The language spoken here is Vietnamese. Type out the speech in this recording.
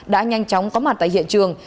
đã nhanh chóng có mặt tại hiện trường